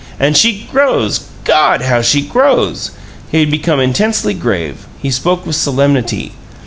And she grows. God! how she grows!" He had become intensely grave; he spoke with solemnity.